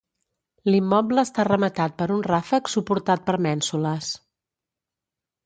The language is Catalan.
L'immoble està rematat per un ràfec suportat per mènsules.